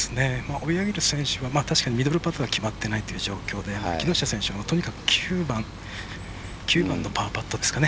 追い上げる選手は確かにミドルパットが決まっていないという状況で木下選手もとにかく９番のパーパットですかね。